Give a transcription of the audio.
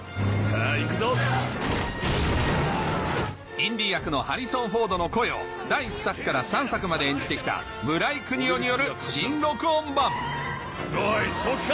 インディ役のハリソン・フォードの声を第１作から３作まで演じてきた村井國夫による新録音版おい正気か？